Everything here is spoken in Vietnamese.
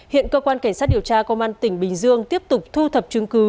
hiện cơ quan cảnh sát điều tra công an tỉnh bình dương tiếp tục thu thập chứng cứ